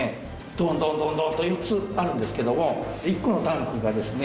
ドンドンと４つあるんですけども１個のタンクがですね